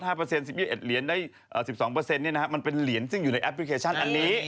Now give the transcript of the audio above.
๑๒๑เหรียญได้๑๒มันเป็นเหรียญซึ่งอยู่ในแอปพลิเคชันอันนี้